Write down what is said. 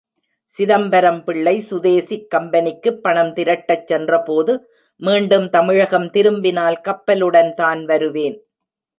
சிதம்பரம் பிள்ளை சுதேசிக் கம்பெனிக்குப் பணம் திரட்டிடச் சென்ற போது, மீண்டும் தமிழகம் திரும்பினால் கப்பலுடன் தான் வருவேன்.